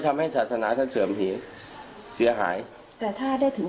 ทำให้ศาสนาท่านเสื่อมผีเสียหายแต่ถ้าได้ถึง